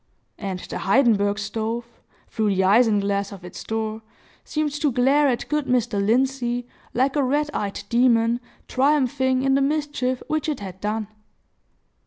And the Heidenberg stove, through the isinglass of its door, seemed to glare at good Mr. Lindsey, like a red eyed demon, triumphing in the mischief which it had done!